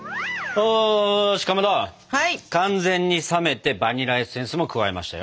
おしかまど完全に冷めてバニラエッセンスも加えましたよ。